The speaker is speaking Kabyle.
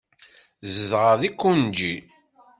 Zedɣeɣ deg Koenji.